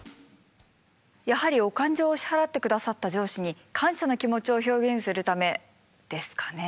やはりお勘定を支払ってくださった上司に感謝の気持ちを表現するためですかね。